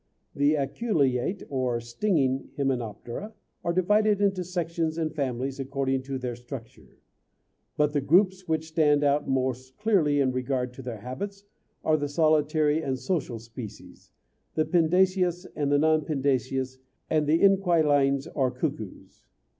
The "aculeate", or stinging, Hymenoptera, are divided into sections and families according to their structure; but the groups which stand out most clearly in regard to their habits are the solitary and social species, the predaceous and non predaceous and the inquilines or cuckoos.